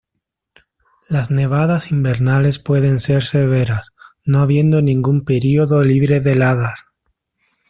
Las nevadas invernales pueden ser severas; no habiendo ningún período libre de heladas.